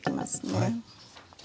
はい。